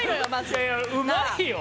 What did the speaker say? いやいやうまいよ！